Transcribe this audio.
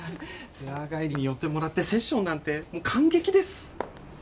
ツアー帰りに寄ってもらってセッションなんて感激です。